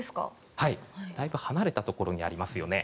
だいぶ離れたところにありますよね。